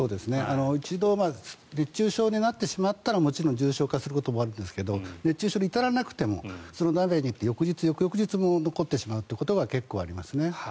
一度、熱中症になってしまったらもちろん重症化することもあるんですが熱中症に至らなくてもその中で翌日、翌々日も残ってしまうことが結構ありますね。